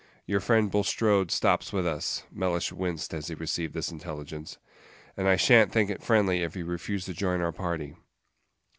Your friend Bulstrode stops with us" (Mellish winced as he received this intelligence), "and I shan't think it friendly if you refuse to join our party."